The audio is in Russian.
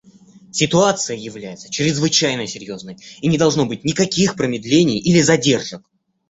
Ситуация является чрезвычайно серьезной, и не должно быть никаких промедлений или задержек.